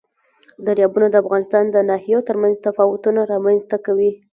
دریابونه د افغانستان د ناحیو ترمنځ تفاوتونه رامنځ ته کوي.